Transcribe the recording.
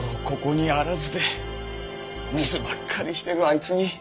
ここにあらずでミスばっかりしてるあいつに。